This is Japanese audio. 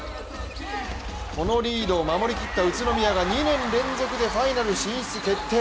このリードを守り切った宇都宮が２年連続でファイナル進出決定。